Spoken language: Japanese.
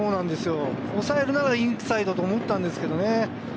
抑えるならインサイドと思ったんですけどね。